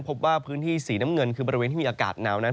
พบว่าพื้นที่สีน้ำเงินคือบริเวณที่มีอากาศหนาวนั้น